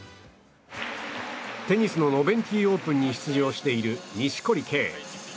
テニスのノベンティ・オープンに出場している錦織圭。